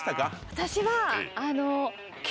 私は。